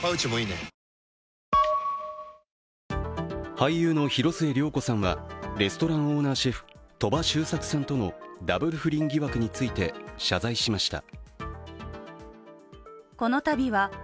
俳優の広末涼子さんはレストランオーナーシェフ鳥羽周作さんとのダブル不倫疑惑について謝罪しました。